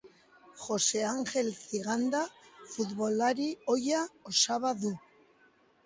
Jose Angel Ziganda futbolari ohia osaba du.